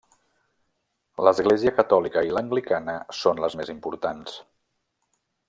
L'església catòlica i l'anglicana són les més importants.